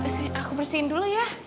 aku bersihin dulu ya